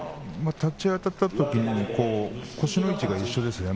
立ち合いあたったときに腰の位置が一緒ですね。